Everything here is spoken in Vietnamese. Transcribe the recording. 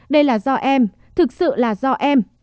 đây là do em thực sự là do em